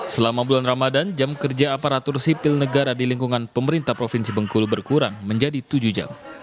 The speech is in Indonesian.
selama bulan ramadan jam kerja aparatur sipil negara di lingkungan pemerintah provinsi bengkulu berkurang menjadi tujuh jam